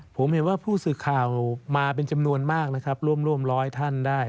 ผมเห็นว่าผู้สื่อข่าวมาเป็นจำนวนมากนะครับร่วมร้อยท่านได้